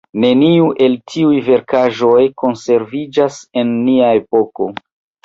Neniu el tiuj verkaĵoj konserviĝas en nia epoko.